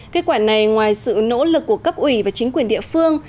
kết quả này ngoài sự nỗ lực của cấp ủy và chính quyền địa phương